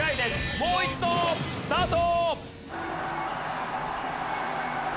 もう一度スタート。